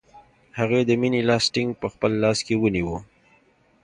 هغې د مینې لاس ټینګ په خپل لاس کې ونیوه